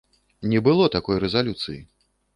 Не было такой рэзалюцыі.